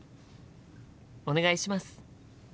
お願いします！